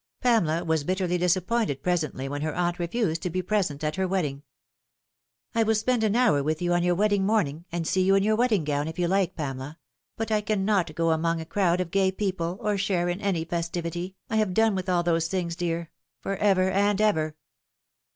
Pamela was bitterly disappointed presently when her aunt refused to be present at her wedding. " I will spend an hour with you on your wedding morning, and see you in your wedding gown, if you like, Pamela ; but I cannot go among a crowd of gay people, or share in any fes tivity. I have done with all those things, dear, for ever and ever."